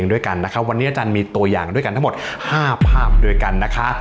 ด้วยกันนะครับวันนี้อาจารย์มีตัวอย่างด้วยกันทั้งหมด๕ภาพด้วยกันนะคะ